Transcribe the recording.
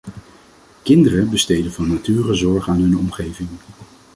Kinderen besteden van nature zorg aan hun omgeving.